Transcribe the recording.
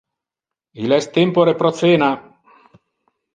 Il es tempore pro cena.